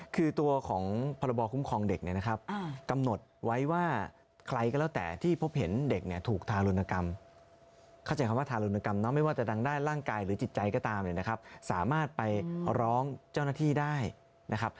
คือตัวของพรบคุ้มครองเด็กเนี่ยนะครับกำหนดไว้ว่าใครก็แล้วแต่ที่พบเห็นเด็กเนี่ยถูกทารุณกรรมเข้าใจคำว่าทารุณกรรมไม่ว่าจะดังด้านร่างกายหรือจิตใจก็ตามเนี่ยนะครับสามารถไปร้องเจ้าหน้าที่ได้นะครับ